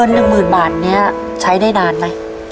เงิน๑๐๐๐๐บาทนี้ใช้ได้นานไหม